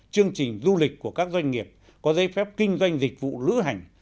chương trình du lịch của các doanh nghiệp có giấy phép kinh doanh dịch vụ lữ hành